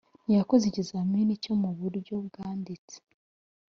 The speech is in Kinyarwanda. ntiyakoze ikizamini cyo mu buryo bwanditse